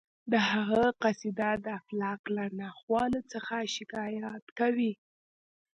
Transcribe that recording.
د هغه قصیده د فلک له ناخوالو څخه شکایت کوي